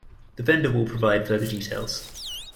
The vendor will provide further details.